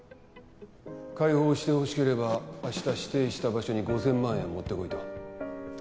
解放してほしければ明日指定した場所に５，０００万円持ってこいと。